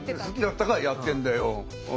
好きだったからやってんだよ。